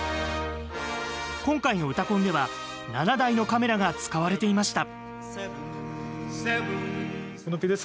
今回の「うたコン」では７台のカメラが使われていました。